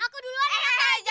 aku duluan anak kajian